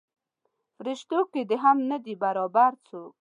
پریشتو کې دې هم نه دی برابر څوک.